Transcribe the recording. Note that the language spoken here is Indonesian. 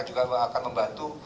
juga akan membantu